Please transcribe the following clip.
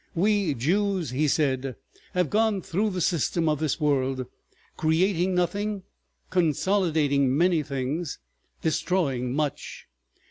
"We Jews," he said, "have gone through the system of this world, creating nothing, consolidating many things, destroying much.